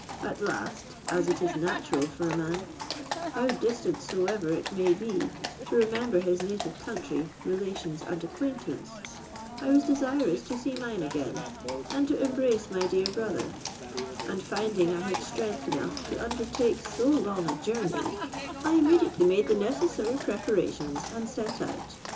At last, as it is natural for a man, how distant soever it may be, to remember his native country, relations, and acquaintance, I was desirous to see mine again, and to embrace my dear brother; and finding I had strength enough to undertake so long a journey, I immediately made the necessary preparations, and set out.